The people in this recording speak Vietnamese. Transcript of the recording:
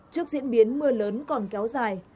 trước diễn biến mưa lớn còn kéo dài